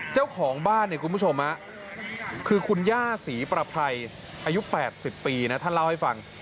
เจ้าของบ้านเนี่ยคุณผู้ชมคือคุณย่าศรีประไพรอายุ๘๐ปีนะท่านเล่าให้ฟัง